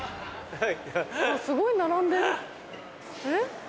すごい並んでるえ？